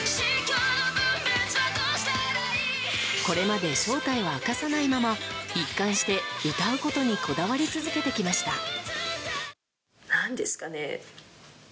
これまで正体は明かさないまま一貫して、歌うことにこだわり続けてきました。